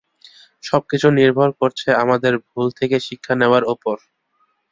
সবকিছু নির্ভর করছে আমাদের ভুল থেকে শিক্ষা নেওয়ার উপর।